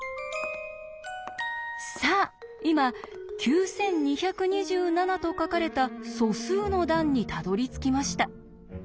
さあ今「９２２７」と書かれた素数の段にたどりつきました。